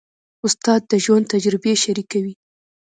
استاد د ژوند تجربې شریکوي.